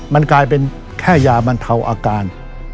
มันกลายเป็นแค่ยาบรรเทาอาการ